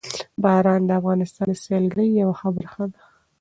باران د افغانستان د سیلګرۍ یوه ښه برخه ده.